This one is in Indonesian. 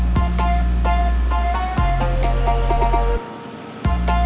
bagus atau enggak